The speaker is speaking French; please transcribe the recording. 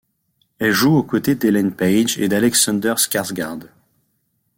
Elle joue aux côtés d'Ellen Page et d'Alexander Skarsgård.